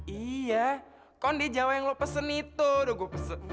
iya kan di jawa yang lo pesen itu udah gue pesen